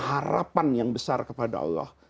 harapan yang besar kepada allah